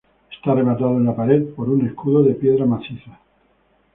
Está rematado en la pared por un escudo de piedra maciza.